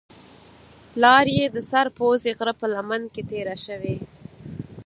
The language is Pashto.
لار یې د سر پوزې غره په لمن کې تېره شوې.